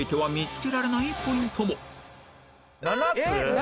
７つ！？